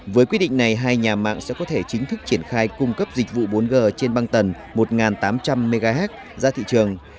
với quyết định này hai nhà mạng sẽ có thể chính thức triển khai cung cấp dịch vụ bốn g trên băng tần một tám trăm linh mh ra thị trường